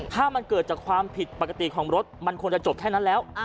ถ้ามันเกิดจากความผิดปกติของรถมันควรจะจบแค่นั้นแล้ว